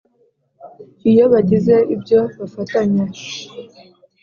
iyo bagize ibyo bafatanya